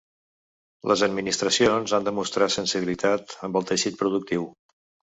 Les administracions han de mostrar sensibilitat amb el teixit productiu.